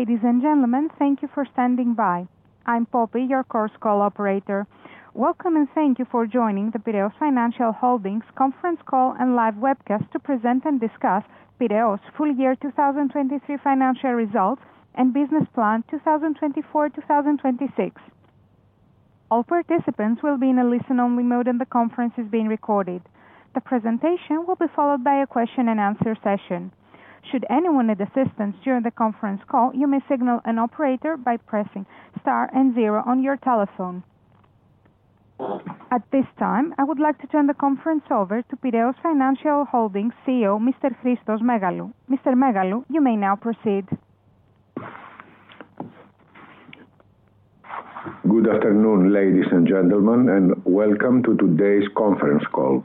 Ladies and gentlemen, thank you for standing by. I'm Poppy, your conference call operator. Welcome, and thank you for joining the Piraeus Financial Holdings conference call and live webcast to present and discuss Piraeus' full year 2023 financial results and business plan 2024-2026. All participants will be in a listen-only mode, and the conference is being recorded. The presentation will be followed by a question-and-answer session. Should anyone need assistance during the conference call, you may signal an operator by pressing star and zero on your telephone. At this time, I would like to turn the conference over to Piraeus Financial Holdings CEO, Mr. Christos Megalou. Mr. Megalou, you may now proceed. Good afternoon, ladies and gentlemen, and welcome to today's conference call.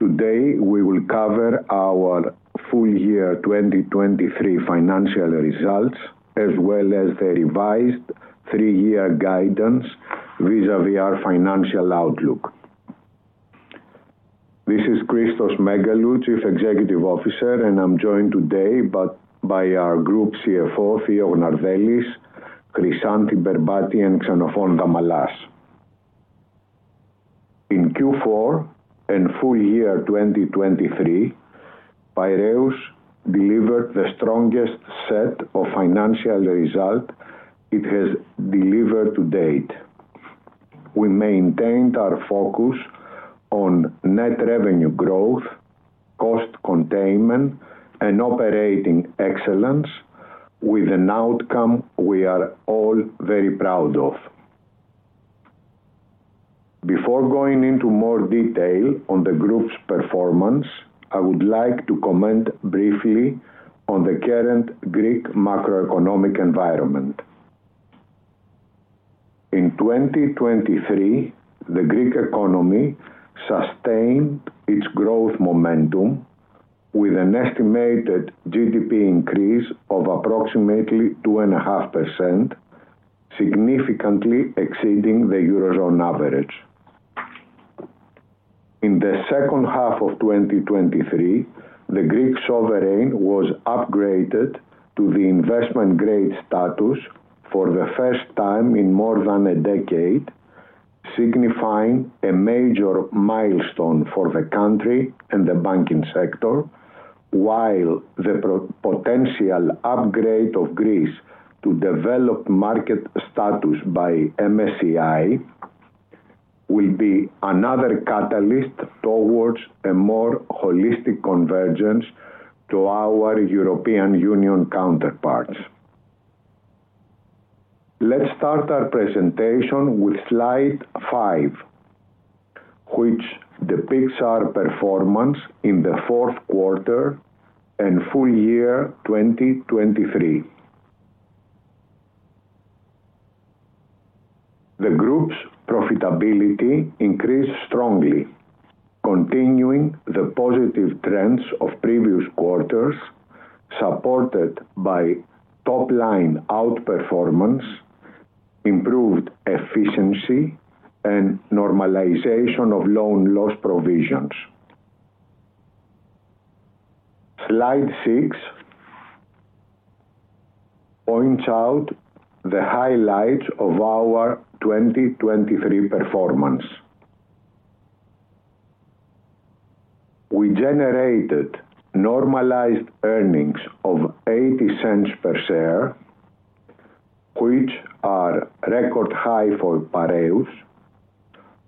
Today we will cover our full year 2023 financial results as well as the revised three-year guidance vis-à-vis our financial outlook. This is Christos Megalou, Chief Executive Officer, and I'm joined today by our group CFO, Theodore Gnardellis, Chryssanthi Berbati, and Xenofon Damalas. In Q4 and full year 2023, Piraeus delivered the strongest set of financial results it has delivered to date. We maintained our focus on net revenue growth, cost containment, and operating excellence, with an outcome we are all very proud of. Before going into more detail on the group's performance, I would like to comment briefly on the current Greek macroeconomic environment. In 2023, the Greek economy sustained its growth momentum with an estimated GDP increase of approximately 2.5%, significantly exceeding the Eurozone average. In the second half of 2023, the Greek sovereign was upgraded to Investment Grade status for the first time in more than a decade, signifying a major milestone for the country and the banking sector, while the potential upgrade of Greece to developed market status by MSCI will be another catalyst towards a more holistic convergence to our European Union counterparts. Let's start our presentation with slide five, which depicts our performance in the fourth quarter and full year 2023. The group's profitability increased strongly, continuing the positive trends of previous quarters, supported by top-line outperformance, improved efficiency, and normalization of loan loss provisions. Slide six points out the highlights of our 2023 performance. We generated normalized earnings of 0.80 per share, which are record high for Piraeus,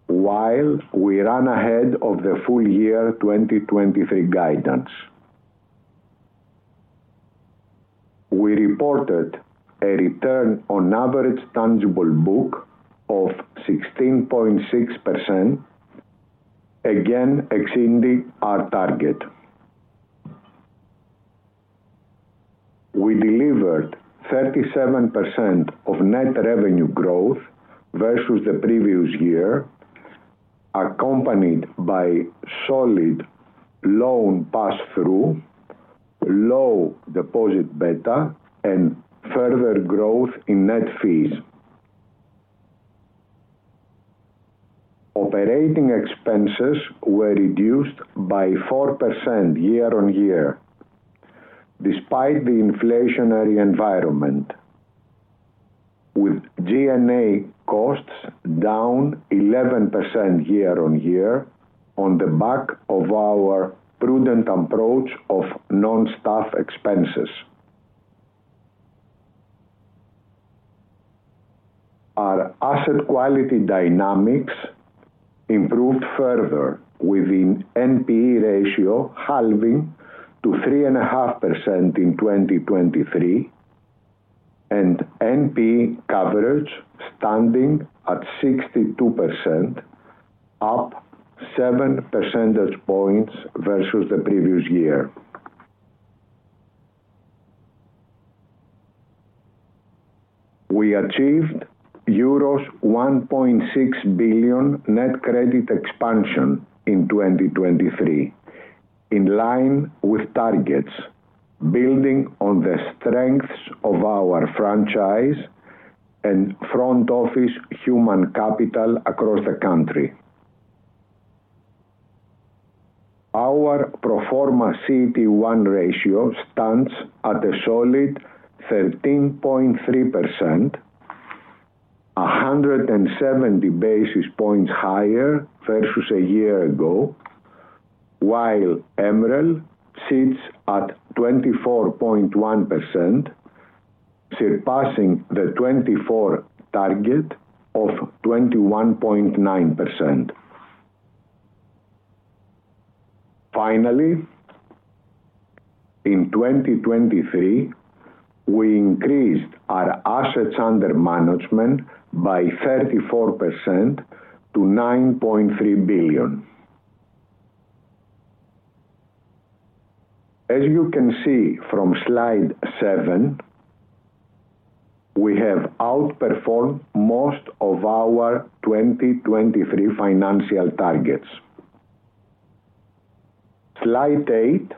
while we ran ahead of the full year 2023 guidance. We reported a return on average tangible book of 16.6%, again exceeding our target. We delivered 37% of net revenue growth versus the previous year, accompanied by solid loan pass-through, low deposit beta, and further growth in net fees. Operating expenses were reduced by 4% year-on-year, despite the inflationary environment, with G&A costs down 11% year-on-year on the back of our prudent approach of non-staff expenses. Our asset quality dynamics improved further with an NPE ratio halving to 3.5% in 2023 and NPE coverage standing at 62%, up 7 percentage points versus the previous year. We achieved euros 1.6 billion net credit expansion in 2023, in line with targets, building on the strengths of our franchise and front-office human capital across the country. Our pro forma CET1 ratio stands at a solid 13.3%, 170 basis points higher versus a year ago, while MREL sits at 24.1%, surpassing the 2024 target of 21.9%. Finally, in 2023, we increased our assets under management by 34% to 9.3 billion. As you can see from Slide seven, we have outperformed most of our 2023 financial targets. Slide eight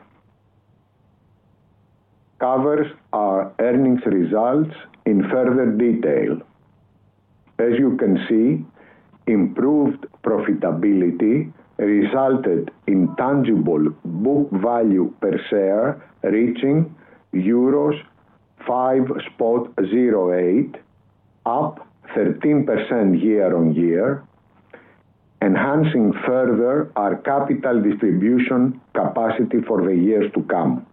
covers our earnings results in further detail. As you can see, improved profitability resulted in tangible book value per share reaching euros 5.08, up 13% year-on-year, enhancing further our capital distribution capacity for the years to come.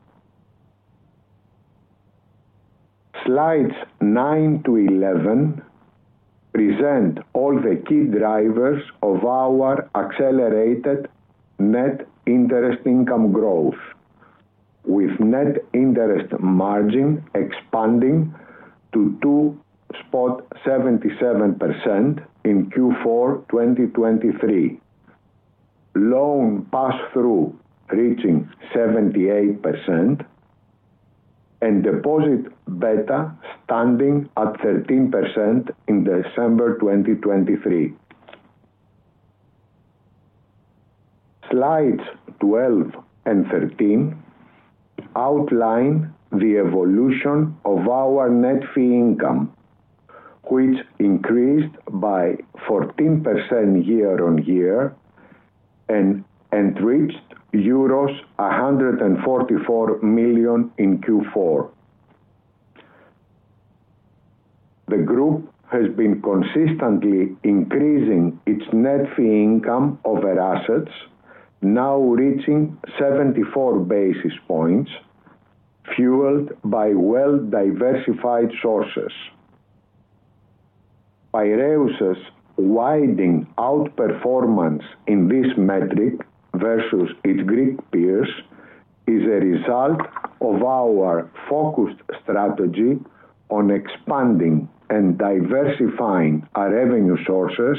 Slides nine to 11 present all the key drivers of our accelerated net interest income growth, with net interest margin expanding to 2.77% in Q4 2023, loan pass-through reaching 78%, and deposit beta standing at 13% in December 2023. Slides 12 and 13 outline the evolution of our net fee income, which increased by 14% year-on-year and enriched EUR 144 million in Q4. The group has been consistently increasing its net fee income over assets, now reaching 74 basis points, fueled by well-diversified sources. Piraeus's widening outperformance in this metric versus its Greek peers is a result of our focused strategy on expanding and diversifying our revenue sources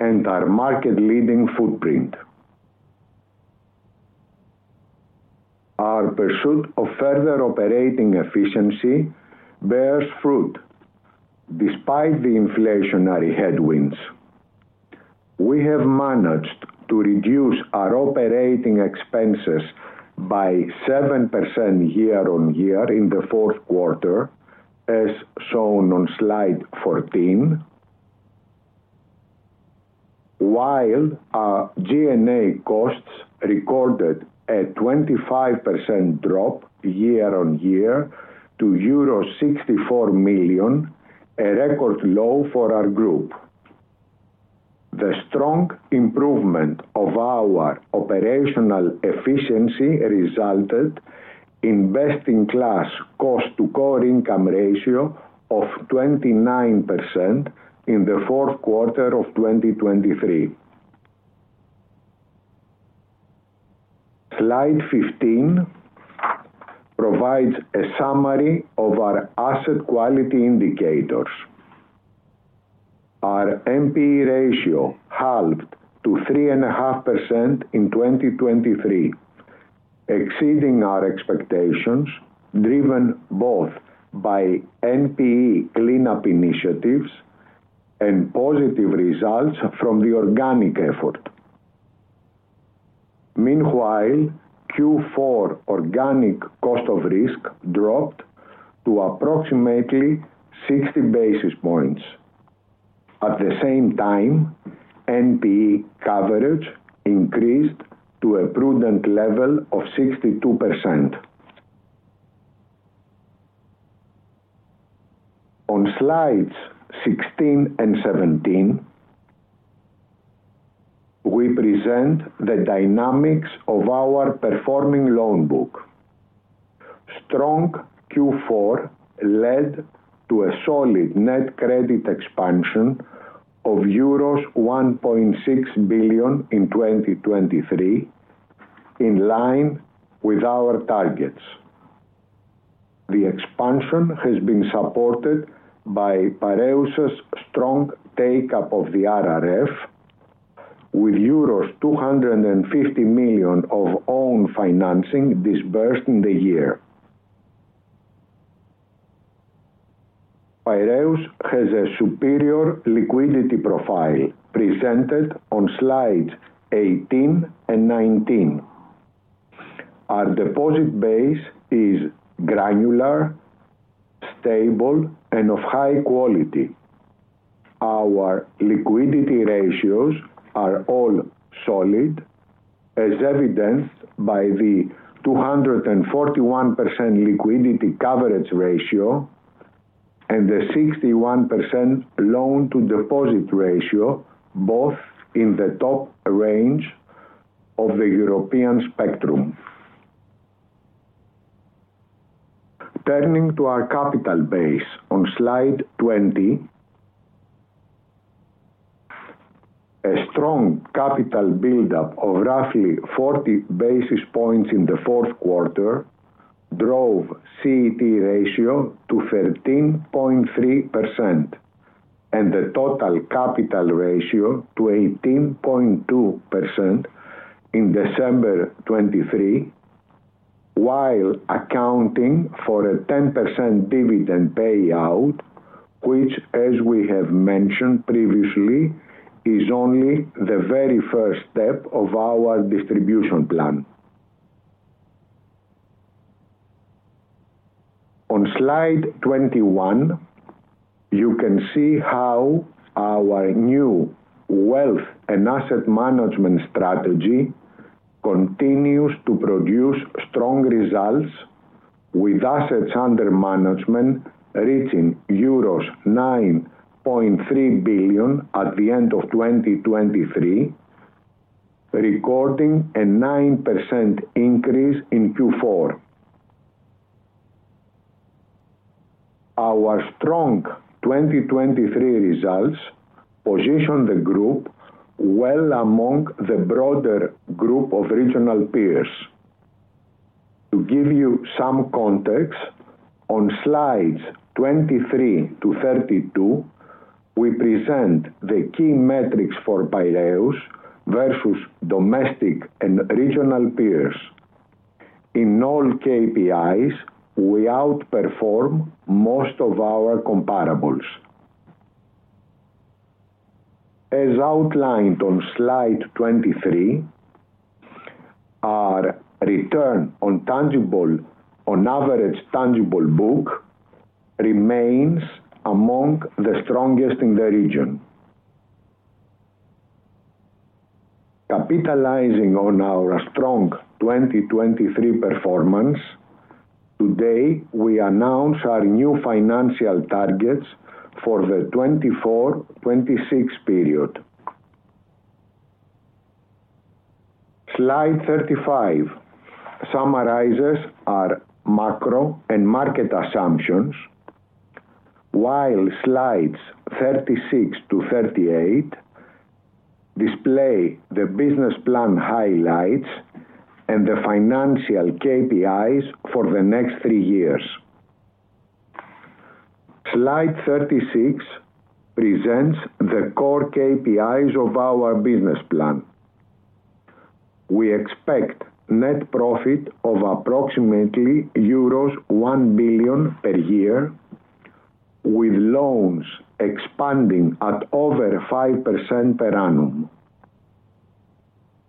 and our market-leading footprint. Our pursuit of further operating efficiency bears fruit despite the inflationary headwinds. We have managed to reduce our operating expenses by 7% year-on-year in the fourth quarter, as shown on slide 14, while our G&A costs recorded a 25% drop year-on-year to euro 64 million, a record low for our group. The strong improvement of our operational efficiency resulted in best-in-class cost-to-core income ratio of 29% in the fourth quarter of 2023. Slide 15 provides a summary of our asset quality indicators. Our NPE ratio halved to 3.5% in 2023, exceeding our expectations, driven both by NPE cleanup initiatives and positive results from the organic effort. Meanwhile, Q4 organic cost of risk dropped to approximately 60 basis points. At the same time, NPE coverage increased to a prudent level of 62%. On slides 16 and 17, we present the dynamics of our performing loan book. Strong Q4 led to a solid net credit expansion of euros 1.6 billion in 2023, in line with our targets. The expansion has been supported by Piraeus's strong take-up of the RRF, with euros 250 million of own financing disbursed in the year. Piraeus has a superior liquidity profile presented on slides 18 and 19. Our deposit base is granular, stable, and of high quality. Our liquidity ratios are all solid, as evidenced by the 241% liquidity coverage ratio and the 61% loan-to-deposit ratio, both in the top range of the European spectrum. Turning to our capital base on slide 20, a strong capital buildup of roughly 40 basis points in the fourth quarter drove CET1 ratio to 13.3% and the total capital ratio to 18.2% in December 2023, while accounting for a 10% dividend payout, which, as we have mentioned previously, is only the very first step of our distribution plan. On slide 21, you can see how our new wealth and asset management strategy continues to produce strong results with assets under management reaching euros 9.3 billion at the end of 2023, recording a 9% increase in Q4. Our strong 2023 results position the group well among the broader group of regional peers. To give you some context, on slides 23 to 32, we present the key metrics for Piraeus versus domestic and regional peers. In all KPIs, we outperform most of our comparables. As outlined on slide 23, our return on average tangible book remains among the strongest in the region. Capitalizing on our strong 2023 performance, today we announce our new financial targets for the 2024-2026 period. Slide 35 summarizes our macro and market assumptions, while slides 36 to 38 display the business plan highlights and the financial KPIs for the next three years. Slide 36 presents the core KPIs of our business plan. We expect net profit of approximately euros 1 billion per year, with loans expanding at over 5% per annum.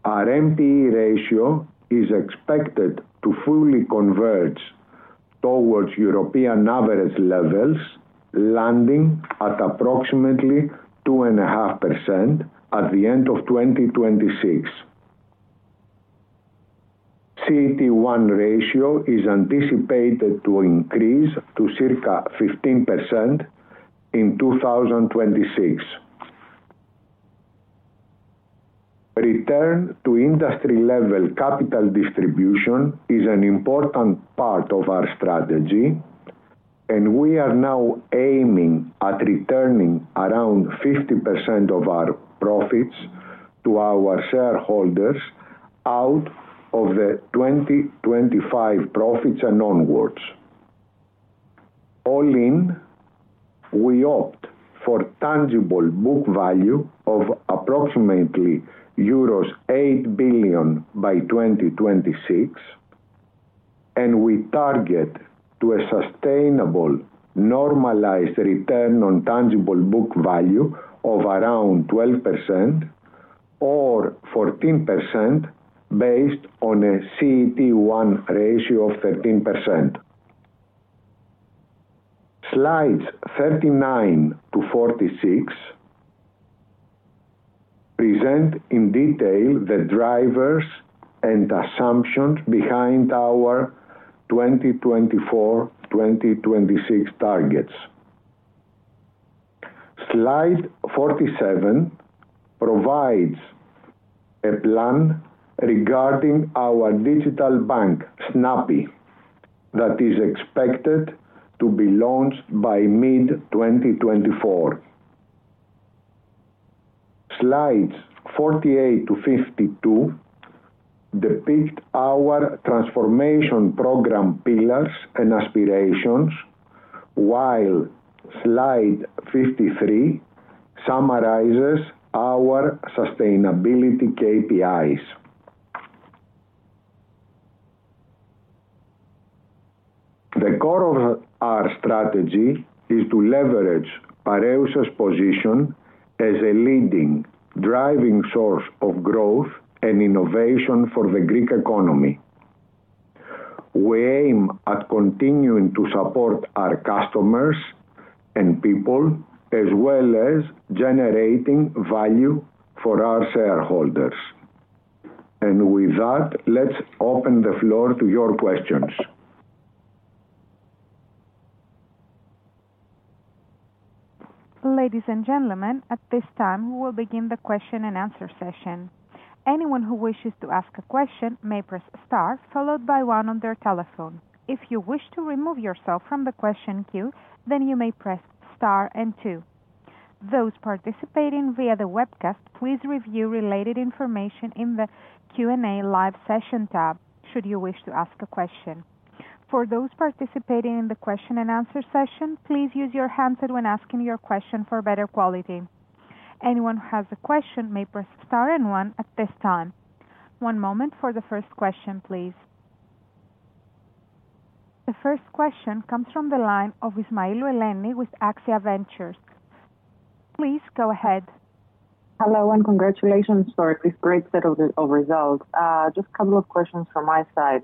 Our NPE ratio is expected to fully converge towards European average levels, landing at approximately 2.5% at the end of 2026. CET1 ratio is anticipated to increase to circa 15% in 2026. Return to industry-level capital distribution is an important part of our strategy, and we are now aiming at returning around 50% of our profits to our shareholders out of the 2025 profits and onwards. All in, we opt for tangible book value of approximately euros 8 billion by 2026, and we target a sustainable normalized return on tangible book value of around 12% or 14% based on a CET1 ratio of 13%. Slides 39-46 present in detail the drivers and assumptions behind our 2024-2026 targets. Slide 47 provides a plan regarding our digital bank, Snappi, that is expected to be launched by mid-2024. Slides 48-52 depict our transformation program pillars and aspirations, while slide 53 summarizes our sustainability KPIs. The core of our strategy is to leverage Piraeus's position as a leading driving source of growth and innovation for the Greek economy. We aim at continuing to support our customers and people, as well as generating value for our shareholders. With that, let's open the floor to your questions. Ladies and gentlemen, at this time, we will begin the question and answer session. Anyone who wishes to ask a question may press star followed by one on their telephone. If you wish to remove yourself from the question queue, then you may press star and two. Those participating via the webcast, please review related information in the Q&A live session tab, should you wish to ask a question. For those participating in the question and answer session, please use your handset when asking your question for better quality. Anyone who has a question may press star and one at this time. One moment for the first question, please. The first question comes from the line of Eleni Ismailou with Axia Ventures. Please go ahead. Hello, and congratulations for this great set of results. Just a couple of questions from my side.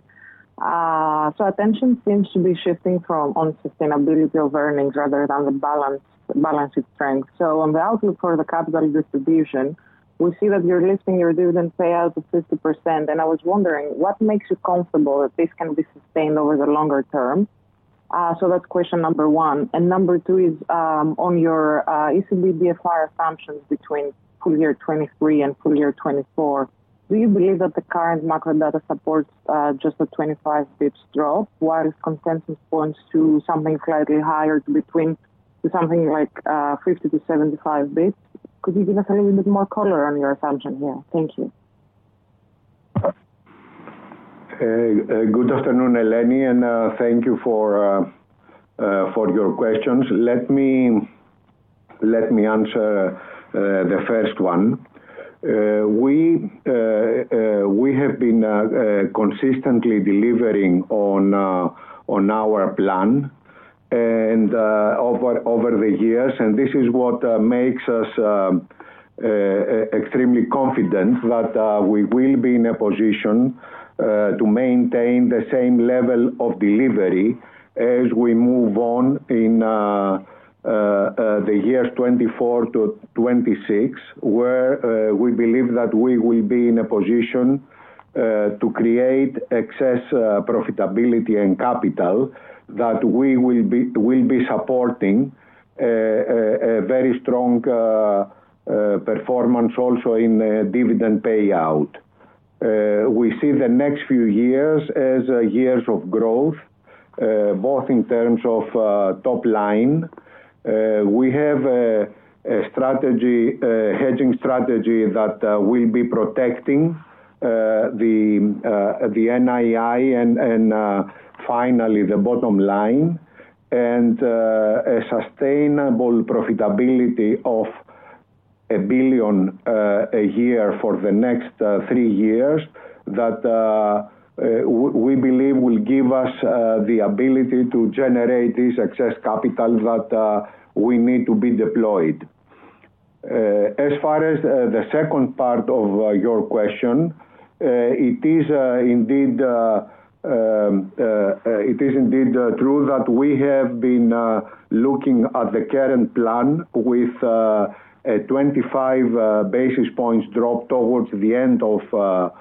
So attention seems to be shifting from on sustainability of earnings rather than the balance of strength. So on the outlook for the capital distribution, we see that you're lifting your dividend payouts of 50%, and I was wondering what makes you comfortable that this can be sustained over the longer term. So that's question number one. And number two is on your ECB/DFR assumptions between full year 2023 and full year 2024. Do you believe that the current macro data supports just a 25 basis points drop, while consensus points to something slightly higher to something like 50-75 basis points? Could you give us a little bit more color on your assumption here? Thank you. Good afternoon, Eleni, and thank you for your questions. Let me answer the first one. We have been consistently delivering on our plan over the years, and this is what makes us extremely confident that we will be in a position to maintain the same level of delivery as we move on in the years 2024 to 2026, where we believe that we will be in a position to create excess profitability and capital that we will be supporting a very strong performance also in dividend payout. We see the next few years as years of growth, both in terms of top line. We have a hedging strategy that will be protecting the NII and finally the bottom line, and a sustainable profitability of 1 billion a year for the next three years that we believe will give us the ability to generate this excess capital that we need to be deployed. As far as the second part of your question, it is indeed true that we have been looking at the current plan with a 25 basis points drop towards the end of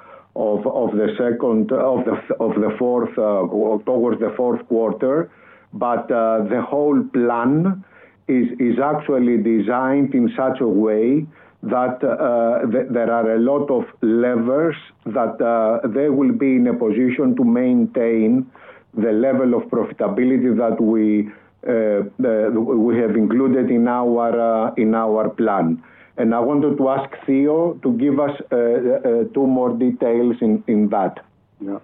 the fourth quarter. But the whole plan is actually designed in such a way that there are a lot of levers that they will be in a position to maintain the level of profitability that we have included in our plan. And I wanted to ask Theo to give us two more details in that. Yeah.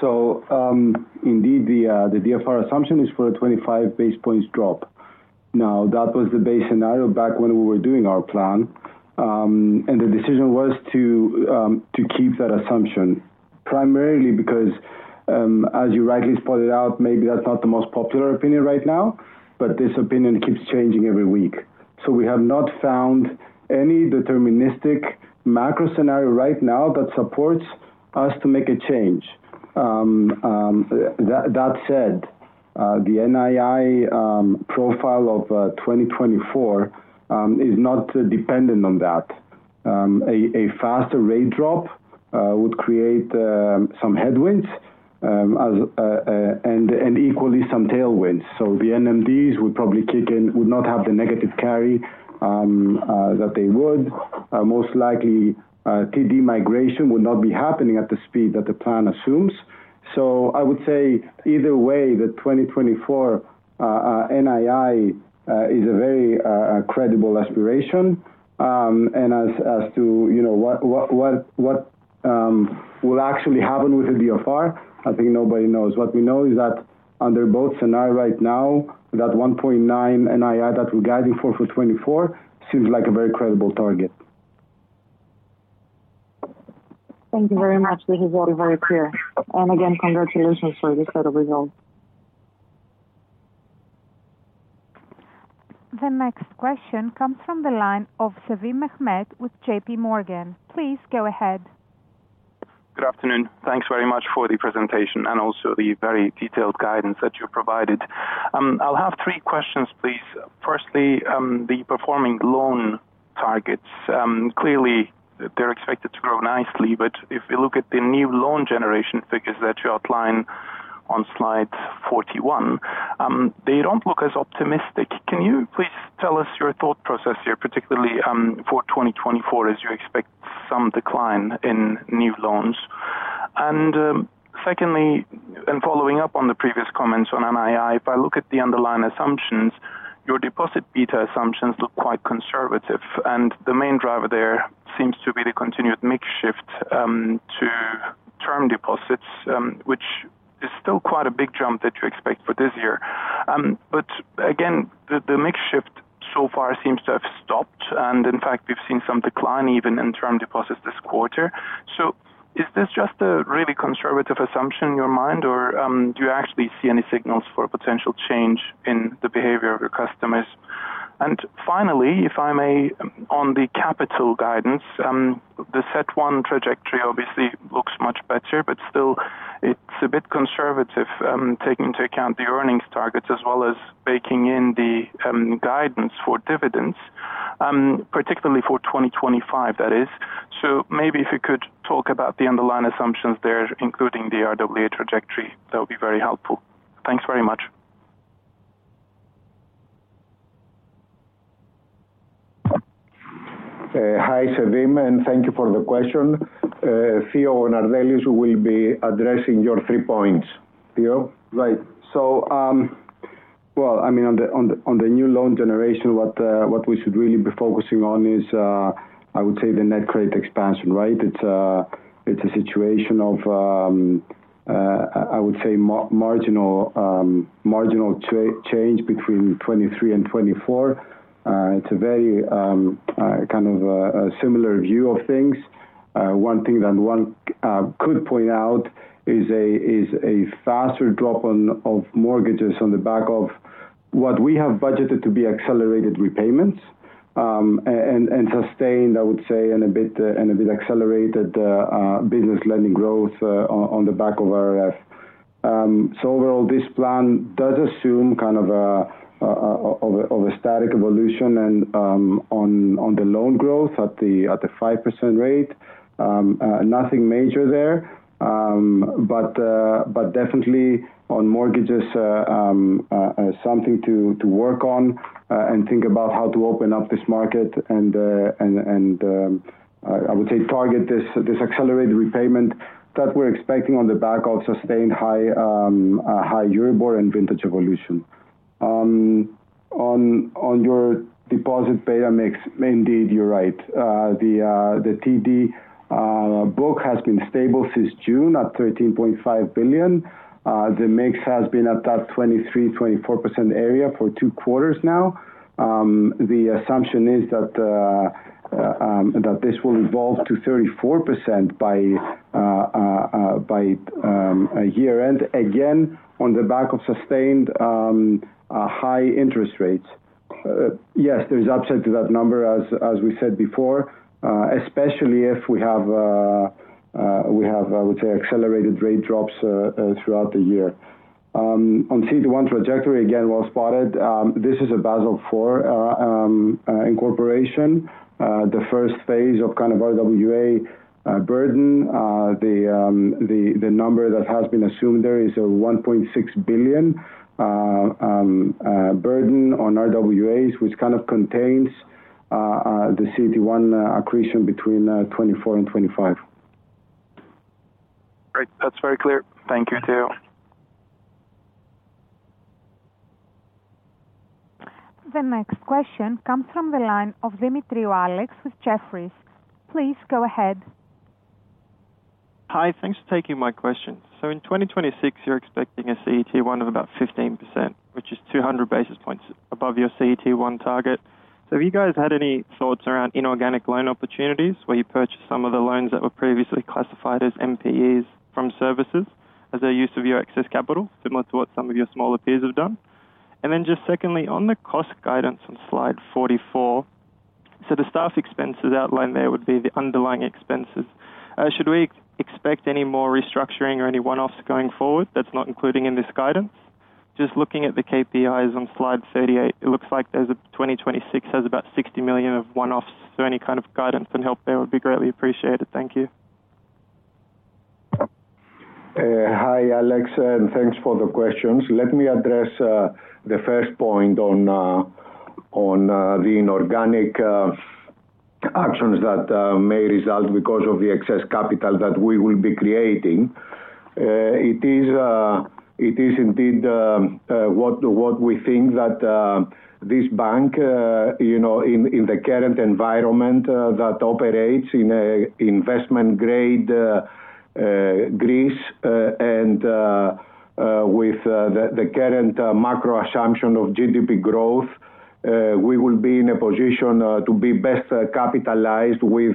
So indeed, the DFR assumption is for a 25 basis points drop. Now, that was the base scenario back when we were doing our plan, and the decision was to keep that assumption, primarily because, as you rightly pointed out, maybe that's not the most popular opinion right now, but this opinion keeps changing every week. So we have not found any deterministic macro scenario right now that supports us to make a change. That said, the NII profile of 2024 is not dependent on that. A faster rate drop would create some headwinds and equally some tailwinds. So the NMDs would probably kick in, would not have the negative carry that they would. Most likely, TD migration would not be happening at the speed that the plan assumes. So I would say either way, the 2024 NII is a very credible aspiration. And as to what will actually happen with the DFR, I think nobody knows. What we know is that under both scenarios right now, that 1.9 NII that we're guiding for for 2024 seems like a very credible target. Thank you very much. This is all very clear. And again, congratulations for this set of results. The next question comes from the line of Sevim Mehmet with JPMorgan. Please go ahead. Good afternoon. Thanks very much for the presentation and also the very detailed guidance that you provided. I'll have three questions, please. Firstly, the performing loan targets. Clearly, they're expected to grow nicely, but if we look at the new loan generation figures that you outline on slide 41, they don't look as optimistic. Can you please tell us your thought process here, particularly for 2024, as you expect some decline in new loans? And secondly, and following up on the previous comments on NII, if I look at the underlying assumptions, your deposit beta assumptions look quite conservative, and the main driver there seems to be the continued mix shift to term deposits, which is still quite a big jump that you expect for this year. But again, the mix shift so far seems to have stopped, and in fact, we've seen some decline even in term deposits this quarter. So is this just a really conservative assumption in your mind, or do you actually see any signals for potential change in the behavior of your customers? And finally, if I may, on the capital guidance, the CET1 trajectory obviously looks much better, but still, it's a bit conservative taking into account the earnings targets as well as baking in the guidance for dividends, particularly for 2025, that is. So maybe if you could talk about the underlying assumptions there, including the RWA trajectory, that would be very helpful. Thanks very much. Hi, Sevim, and thank you for the question. Theo Gnardellis will be addressing your three points. Theo? Right. So well, I mean, on the new loan generation, what we should really be focusing on is, I would say, the net credit expansion, right? It's a situation of, I would say, marginal change between 2023 and 2024. It's a very kind of similar view of things. One thing that one could point out is a faster drop of mortgages on the back of what we have budgeted to be accelerated repayments and sustained, I would say, in a bit accelerated business lending growth on the back of RRF. So overall, this plan does assume kind of a static evolution on the loan growth at the 5% rate. Nothing major there. But definitely, on mortgages, something to work on and think about how to open up this market and, I would say, target this accelerated repayment that we're expecting on the back of sustained high Euribor and vintage evolution. On your deposit beta mix, indeed, you're right. The TD book has been stable since June at 13.5 billion. The mix has been at that 23%-24% area for two quarters now. The assumption is that this will evolve to 34% by year-end, again, on the back of sustained high interest rates. Yes, there's upside to that number, as we said before, especially if we have, I would say, accelerated rate drops throughout the year. On CET1 trajectory, again, well spotted. This is a Basel IV incorporation. The first phase of kind of RWA burden, the number that has been assumed there is a 1.6 billion burden on RWAs, which kind of contains the CET1 accretion between 2024 and 2025. Great. That's very clear. Thank you, Theo. The next question comes from the line of Alexander Demetriou with Jefferies. Please go ahead. Hi. Thanks for taking my question. So in 2026, you're expecting a CET1 of about 15%, which is 200 basis points above your CET1 target. So have you guys had any thoughts around inorganic loan opportunities where you purchased some of the loans that were previously classified as NPEs from servicers as a use of your excess capital, similar to what some of your smaller peers have done? And then just secondly, on the cost guidance on slide 44, so the staff expenses outlined there would be the underlying expenses. Should we expect any more restructuring or any one-offs going forward that's not including in this guidance? Just looking at the KPIs on slide 38, it looks like 2026 has about 60 million of one-offs. So any kind of guidance and help there would be greatly appreciated. Thank you. Hi, Alex, and thanks for the questions. Let me address the first point on the inorganic actions that may result because of the excess capital that we will be creating. It is indeed what we think that this bank, in the current environment that operates in investment-grade Greece and with the current macro assumption of GDP growth, we will be in a position to be best capitalized with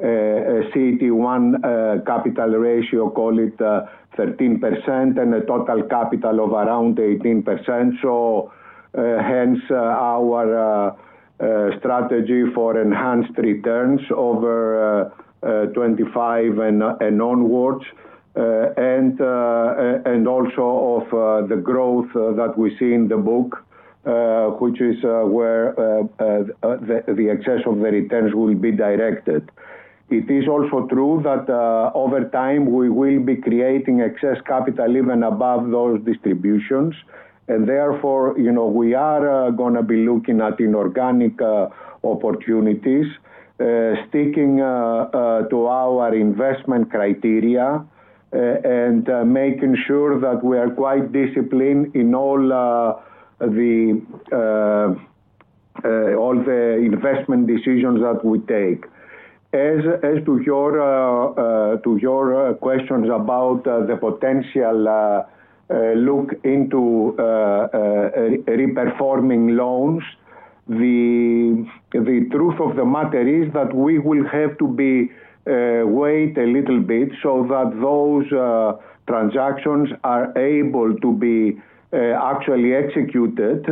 a CET1 capital ratio, call it 13%, and a total capital of around 18%. So hence, our strategy for enhanced returns over 2025 and onwards and also of the growth that we see in the book, which is where the excess of the returns will be directed. It is also true that over time, we will be creating excess capital even above those distributions. And therefore, we are going to be looking at inorganic opportunities, sticking to our investment criteria and making sure that we are quite disciplined in all the investment decisions that we take. As to your questions about the potential look into reperforming loans, the truth of the matter is that we will have to wait a little bit so that those transactions are able to be actually executed,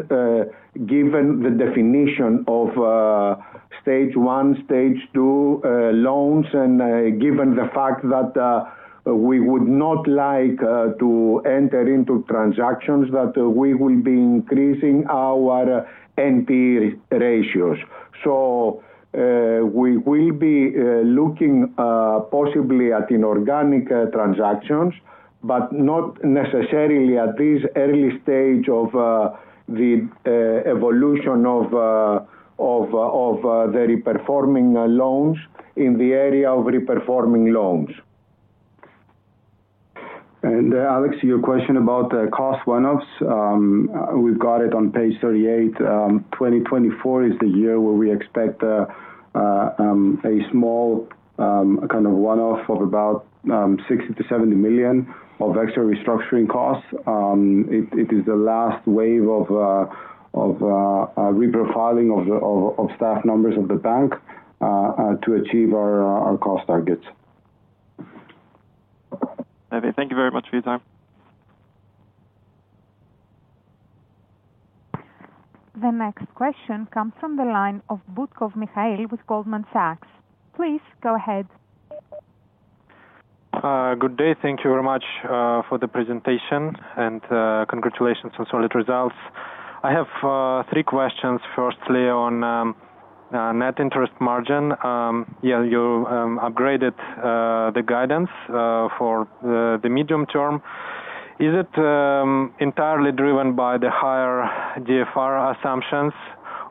given the definition of stage one, stage two loans, and given the fact that we would not like to enter into transactions that we will be increasing our NPE ratios. So we will be looking possibly at inorganic transactions, but not necessarily at this early stage of the evolution of the reperforming loans in the area of reperforming loans. And Alex, your question about cost one-offs. We've got it on page 38. 2024 is the year where we expect a small kind of one-off of about 60-70 million of extra restructuring costs. It is the last wave of reprofiling of staff numbers of the bank to achieve our cost targets. Okay. Thank you very much for your time. The next question comes from the line of Mikhail Butkov with Goldman Sachs. Please go ahead. Good day. Thank you very much for the presentation and congratulations on solid results. I have three questions. Firstly, on net interest margin. Yeah, you upgraded the guidance for the medium term. Is it entirely driven by the higher DFR assumptions,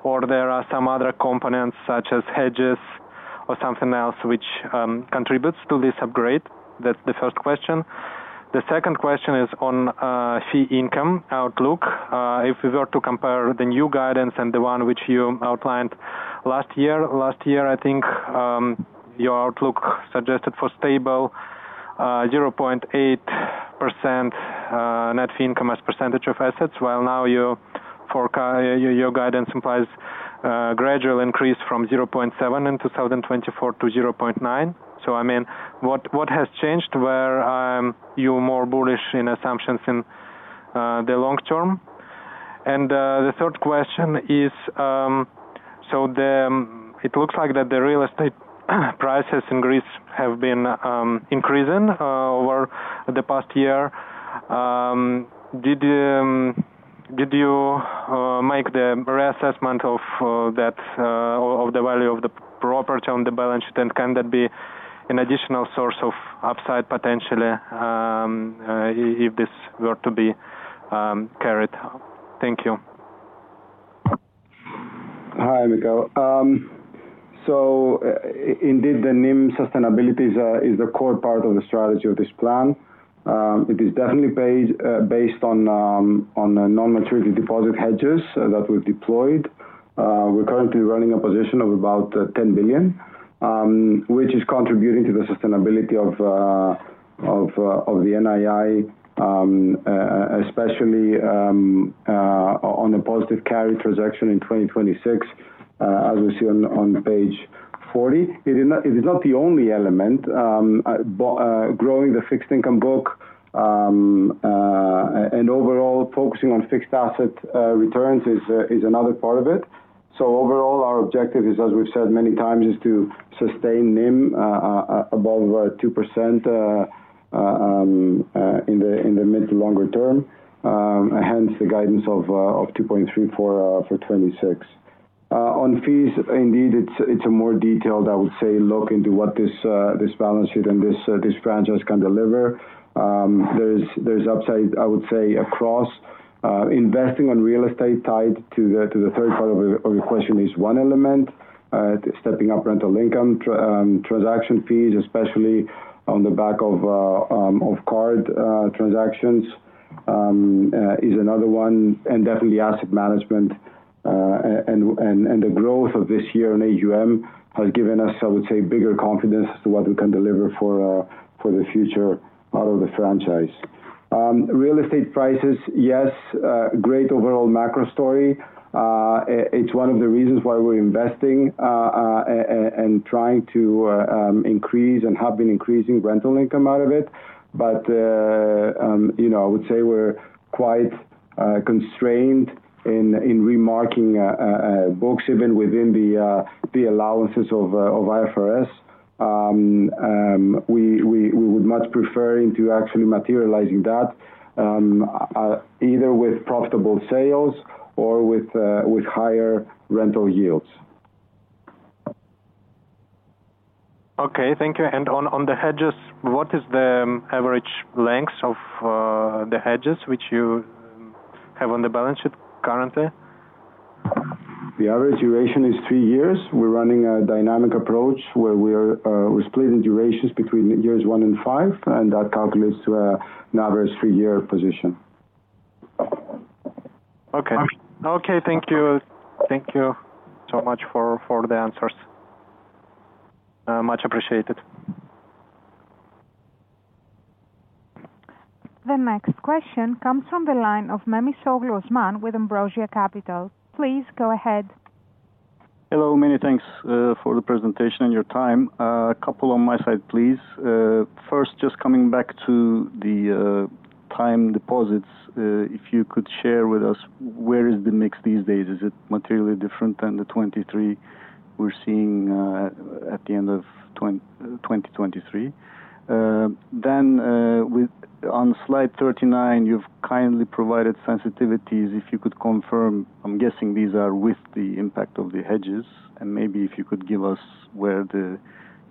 or there are some other components such as hedges or something else which contributes to this upgrade? That's the first question. The second question is on fee income outlook. If we were to compare the new guidance and the one which you outlined last year, last year, I think your outlook suggested for stable 0.8% net fee income as percentage of assets, while now your guidance implies gradual increase from 0.7% in 2024 to 0.9%. So I mean, what has changed where you're more bullish in assumptions in the long term? And the third question is, so it looks like that the real estate prices in Greece have been increasing over the past year. Did you make the reassessment of the value of the property on the balance sheet, and can that be an additional source of upside potentially if this were to be carried? Thank you. Hi, Mikhail. So indeed, the NIM sustainability is the core part of the strategy of this plan. It is definitely based on non-maturity deposit hedges that we've deployed. We're currently running a position of about 10 billion, which is contributing to the sustainability of the NII, especially on a positive carry transaction in 2026, as we see on page 40. It is not the only element. Growing the fixed income book and overall focusing on fixed asset returns is another part of it. So overall, our objective is, as we've said many times, is to sustain NIM above 2% in the mid to longer term, hence the guidance of 2.3% for 2026. On fees, indeed, it's a more detailed, I would say, look into what this balance sheet and this franchise can deliver. There's upside, I would say, across. Investing on real estate tied to the third part of your question is one element. Stepping up rental income transaction fees, especially on the back of card transactions, is another one, and definitely asset management. And the growth of this year in AUM has given us, I would say, bigger confidence as to what we can deliver for the future out of the franchise. Real estate prices, yes, great overall macro story. It's one of the reasons why we're investing and trying to increase and have been increasing rental income out of it. But I would say we're quite constrained in remarking books, even within the allowances of IFRS. We would much prefer into actually materializing that either with profitable sales or with higher rental yields. Okay. Thank you. And on the hedges, what is the average length of the hedges which you have on the balance sheet currently? The average duration is three years. We're running a dynamic approach where we're splitting durations between years one and five, and that calculates to an average three-year position. Okay. Okay. Thank you. Thank you so much for the answers. Much appreciated. The next question comes from the line of Osman Memisoglu with Ambrosia Capital. Please go ahead. Hello. Many thanks for the presentation and your time. A couple on my side, please. First, just coming back to the time deposits, if you could share with us where is the mix these days? Is it materially different than the '23 we're seeing at the end of 2023? Then on slide 39, you've kindly provided sensitivities. If you could confirm, I'm guessing these are with the impact of the hedges. And maybe if you could give us where the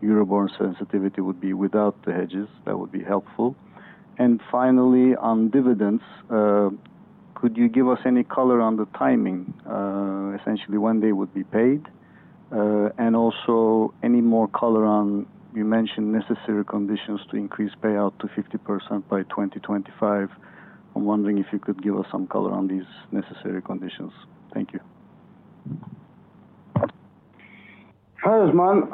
Euribor sensitivity would be without the hedges, that would be helpful. And finally, on dividends, could you give us any color on the timing, essentially when they would be paid? And also, any more color on you mentioned necessary conditions to increase payout to 50% by 2025. I'm wondering if you could give us some color on these necessary conditions. Thank you. Hi, Osman.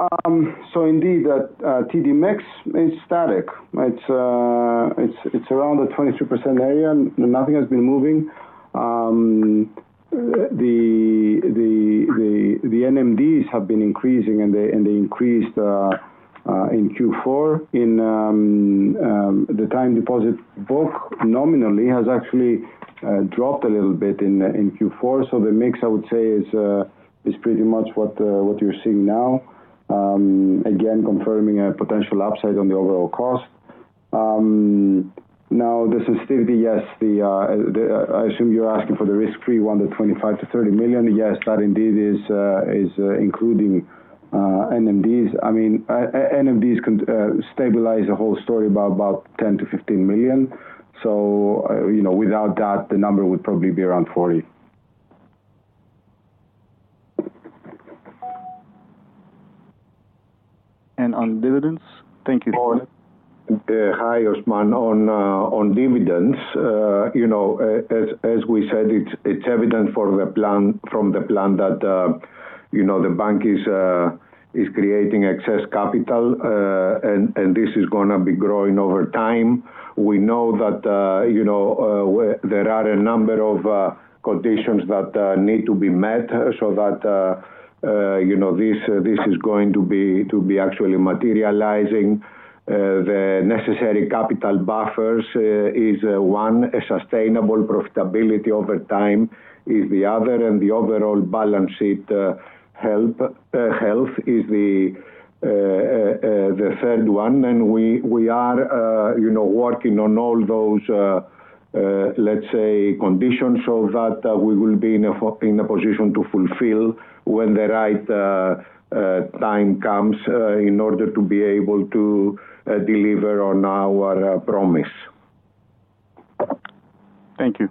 So indeed, the TD mix is static. It's around the 22% area. Nothing has been moving. The NMDs have been increasing, and they increased in Q4. In the time deposit book, nominally, has actually dropped a little bit in Q4. So the mix, I would say, is pretty much what you're seeing now, again, confirming a potential upside on the overall cost. Now, the sensitivity, yes. I assume you're asking for the risk-free 100 to 25 to 30 million. Yes, that indeed is including NMDs. I mean, NMDs stabilize the whole story by about 10 million-15 million. So without that, the number would probably be around 40 million. And on dividends, thank you for that. Hi, Osman. On dividends, as we said, it's evident from the plan that the bank is creating excess capital, and this is going to be growing over time. We know that there are a number of conditions that need to be met so that this is going to be actually materializing. The necessary capital buffers is one. Sustainable profitability over time is the other. And the overall balance sheet health is the third one. We are working on all those, let's say, conditions so that we will be in a position to fulfill when the right time comes in order to be able to deliver on our promise. Thank you.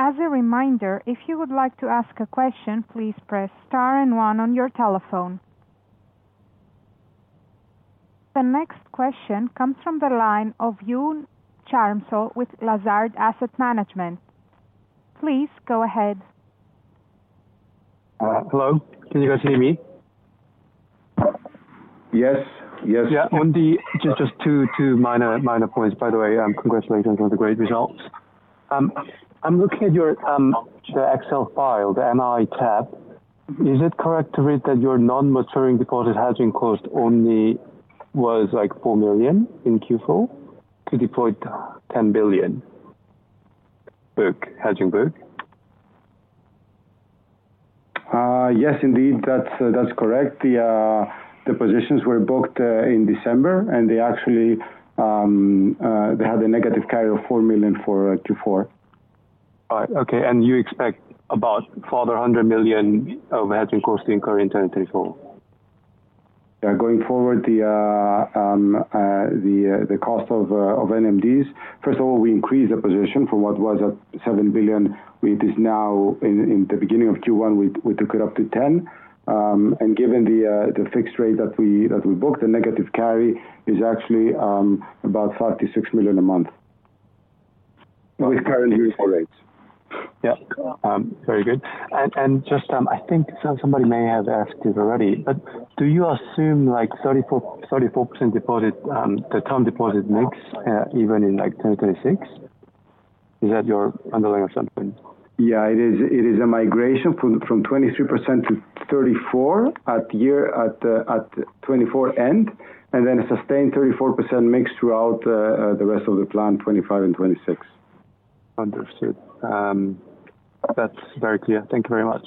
As a reminder, if you would like to ask a question, please press star and one on your telephone. The next question comes from the line of Yoon Charmsol with Lazard Asset Management. Please go ahead. Hello. Can you guys hear me? Yes. Yes. Yeah. Just two minor points. By the way, congratulations on the great results. I'm looking at your Excel file, the MI tab. Is it correct to read that your non-maturing deposit hedging cost only was like 4 million in Q4 to deploy the 10 billion hedging book? Yes, indeed, that's correct. The positions were booked in December, and they actually had a negative carry of 4 million for Q4. Right. Okay. And you expect about further 100 million of hedging cost to incur in 2024? Yeah. Going forward, the cost of NMDs, first of all, we increased the position from what was at 7 billion. It is now in the beginning of Q1, we took it up to 10 billion. And given the fixed rate that we book, the negative carry is actually about 56 million a month with current usual rates. Yeah. Very good. And I think somebody may have asked this already, but do you assume 34% term deposit mix even in 2026? Is that your underlying assumption? Yeah. It is a migration from 23% to 34% at 2024 end, and then a sustained 34% mix throughout the rest of the plan, 2025 and 2026. Understood. That's very clear. Thank you very much.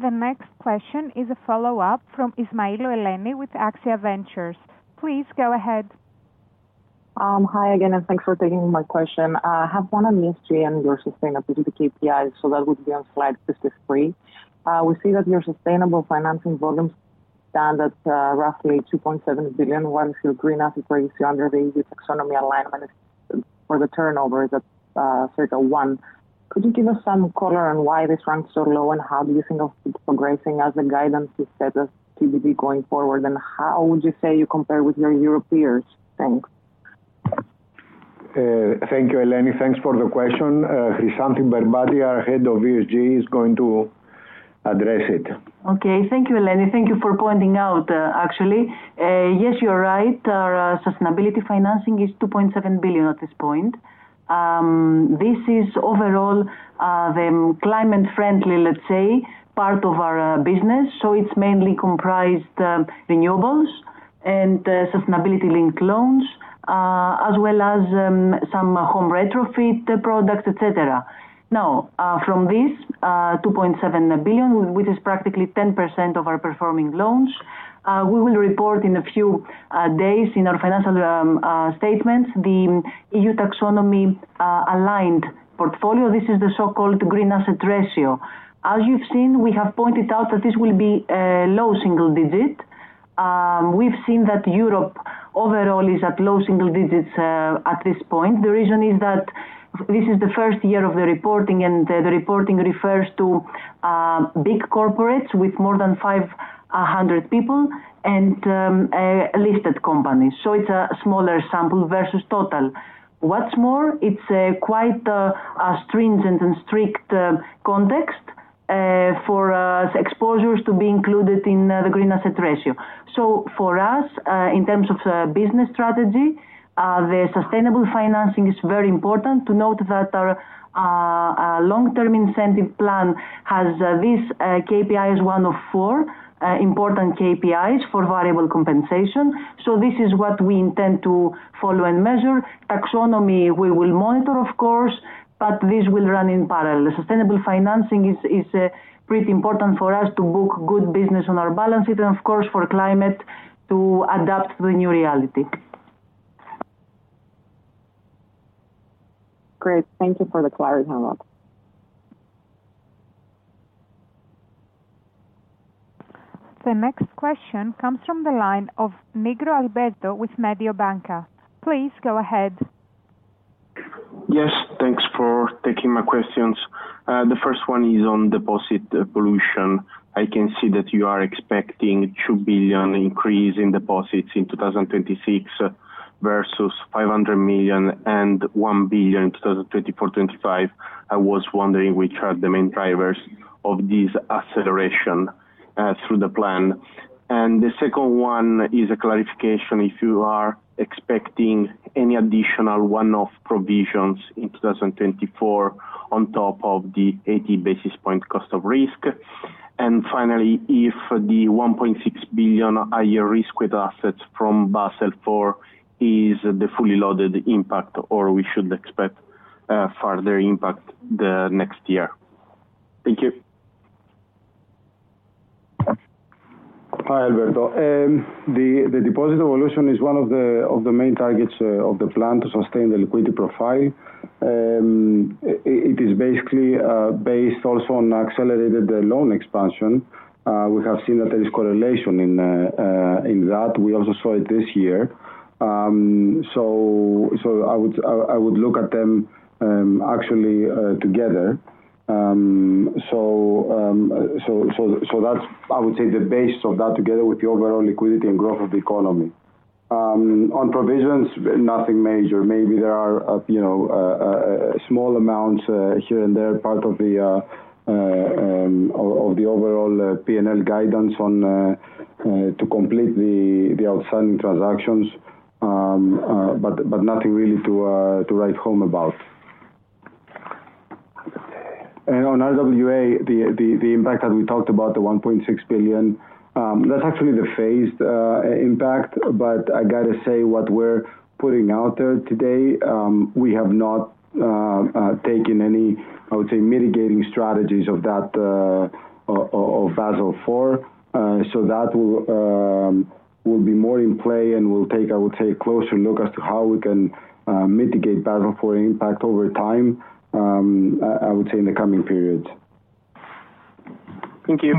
The next question is a follow-up from Eleni Ismailou with Axia Ventures. Please go ahead. Hi again, and thanks for taking my question. I have one on ESG and your sustainability KPIs, so that would be on slide 53. We see that your sustainable financing volumes stand at roughly EUR 2.7 billion, whereas your green asset progression under the EU taxonomy alignment for the turnover is at circle one. Could you give us some color on why this ranks so low, and how do you think of it progressing as the guidance is set as TDD going forward? And how would you say you compare with your Europeans? Thanks. Thank you, Eleni. Thanks for the question. Chryssanthi Berbati, our head of ESG, is going to address it. Okay. Thank you, Eleni. Thank you for pointing out, actually. Yes, you're right. Our sustainability financing is 2.7 billion at this point. This is overall the climate-friendly, let's say, part of our business. So it's mainly comprised of renewables and sustainability-linked loans, as well as some home retrofit products, etc. Now, from this, 2.7 billion, which is practically 10% of our performing loans, we will report in a few days in our financial statements the EU Taxonomy-aligned portfolio. This is the so-called Green Asset Ratio. As you've seen, we have pointed out that this will be low single digit. We've seen that Europe overall is at low single digits at this point. The reason is that this is the first year of the reporting, and the reporting refers to big corporates with more than 500 people and listed companies. So it's a smaller sample versus total. What's more, it's quite a stringent and strict context for exposures to be included in the Green Asset Ratio. So for us, in terms of business strategy, the sustainable financing is very important. To note that our long-term incentive plan has this KPI as one of four important KPIs for variable compensation. So this is what we intend to follow and measure. Taxonomy, we will monitor, of course, but this will run in parallel. Sustainable financing is pretty important for us to book good business on our balance sheet and, of course, for climate to adapt to the new reality. Great. Thank you for the clarification on that. The next question comes from the line of Nigro Alberto with Mediobanca. Please go ahead. Yes. Thanks for taking my questions. The first one is on deposit evolution. I can see that you are expecting a 2 billion increase in deposits in 2026 versus 500 million and 1 billion in 2024-25. I was wondering which are the main drivers of this acceleration through the plan. The second one is a clarification if you are expecting any additional one-off provisions in 2024 on top of the 80 basis points cost of risk. Finally, if the 1.6 billion higher risk-weighted assets from Basel IV is the fully loaded impact, or we should expect further impact the next year. Thank you. Hi, Alberto. The deposit evolution is one of the main targets of the plan to sustain the liquidity profile. It is basically based also on accelerated loan expansion. We have seen that there is correlation in that. We also saw it this year. I would look at them actually together. That's, I would say, the base of that together with the overall liquidity and growth of the economy. On provisions, nothing major. Maybe there are small amounts here and there part of the overall P&L guidance to complete the outstanding transactions, but nothing really to write home about. And on RWA, the impact that we talked about, the 1.6 billion, that's actually the phased impact. But I got to say what we're putting out there today, we have not taken any, I would say, mitigating strategies of that of Basel IV. So that will be more in play and will take, I would say, a closer look as to how we can mitigate Basel IV impact over time, I would say, in the coming periods. Thank you.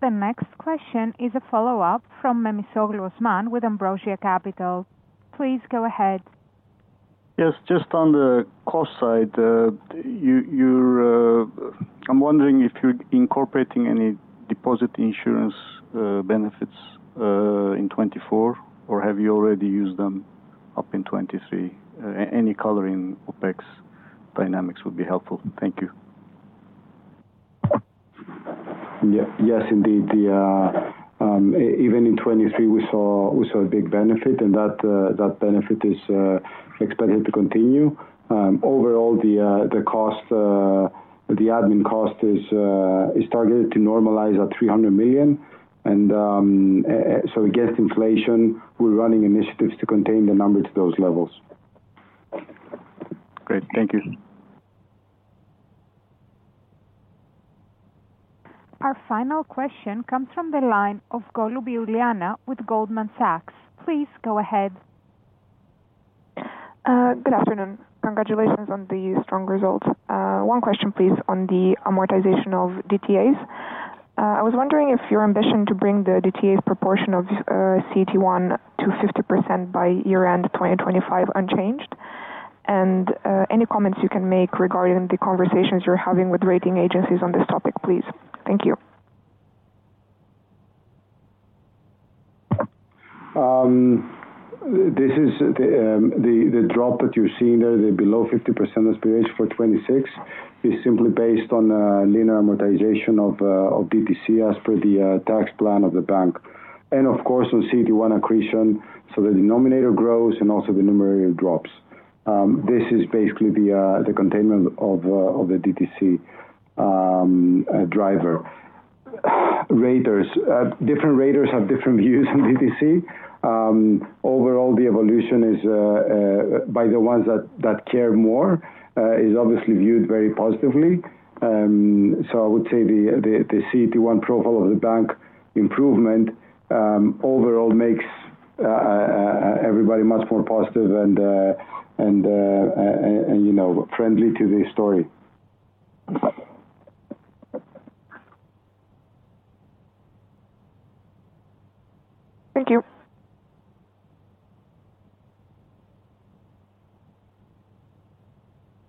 The next question is a follow-up from Osman Memisoglu with Ambrosia Capital. Please go ahead. Yes. Just on the cost side, I'm wondering if you're incorporating any deposit insurance benefits in 2024, or have you already used them up in 2023? Any color in OpEx dynamics would be helpful. Thank you. Yes, indeed. Even in 2023, we saw a big benefit, and that benefit is expected to continue. Overall, the admin cost is targeted to normalize at 300 million. So against inflation, we're running initiatives to contain the number to those levels. Great. Thank you. Our final question comes from the line of Iuliana Golub with Goldman Sachs. Please go ahead. Good afternoon. Congratulations on the strong results. One question, please, on the amortization of DTAs. I was wondering if your ambition to bring the DTAs proportion of CET1 to 50% by year-end 2025 unchanged? And any comments you can make regarding the conversations you're having with rating agencies on this topic, please. Thank you. The drop that you're seeing there, the below 50% aspiration for 2026, is simply based on linear amortization of DTC as per the tax plan of the bank and, of course, on CET1 accretion so the denominator grows and also the numerator drops. This is basically the containment of the DTC driver. Different raters have different views on DTC. Overall, the evolution is by the ones that care more is obviously viewed very positively. So I would say the CET1 profile of the bank improvement overall makes everybody much more positive and friendly to the story. Thank you.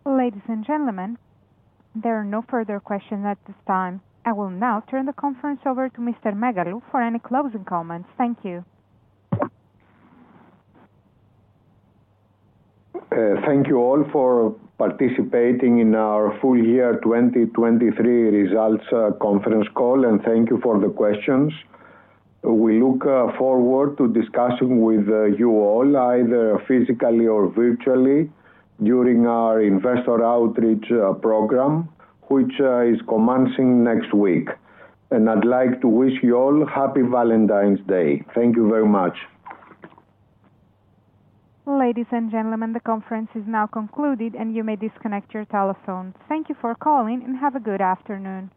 Ladies and gentlemen, there are no further questions at this time. I will now turn the conference over to Mr. Megalou for any closing comments. Thank you. Thank you all for participating in our full year 2023 results conference call, and thank you for the questions. We look forward to discussing with you all either physically or virtually during our investor outreach program, which is commencing next week. I'd like to wish you all Happy Valentine's Day. Thank you very much. Ladies and gentlemen, the conference is now concluded, and you may disconnect your telephones. Thank you for calling, and have a good afternoon.